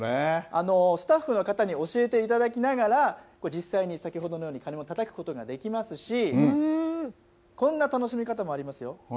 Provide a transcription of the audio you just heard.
スタッフの方に教えていただきながら、これ、実際に先ほどのように鐘をたたくことができますし、こんな楽しみ方もありますよ。